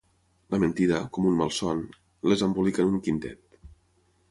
La mentida, com un malson, les embolica en un quintet.